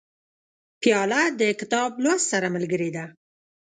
پیاله د کتاب لوست سره ملګرې ده.